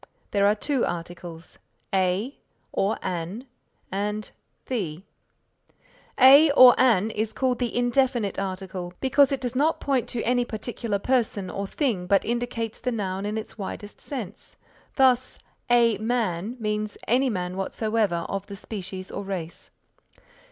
There are two articles, a or an and the. A or an is called the indefinite article because it does not point put any particular person or thing but indicates the noun in its widest sense; thus, a man means any man whatsoever of the species or race.